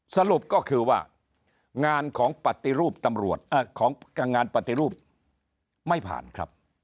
สรุปก็คือว่างานของปฏิรูปตำรวจของงานปฏิรูปไม่ผ่านครับ